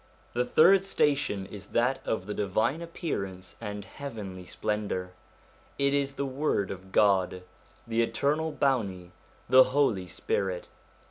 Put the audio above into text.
The third station is that of the divine appearance and heavenly splendour: it is the Word of God, the Eternal Bounty, the Holy Spirit.